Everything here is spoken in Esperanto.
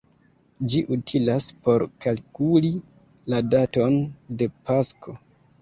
Ĝi utilas por kalkuli la daton de Pasko.